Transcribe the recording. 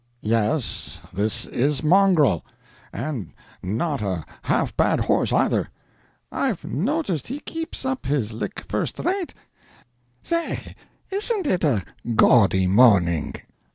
"Yes, this is Mongrel—and not a half bad horse, either." "I've noticed he keeps up his lick first rate. Say—isn't it a gaudy morning?"